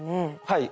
はい。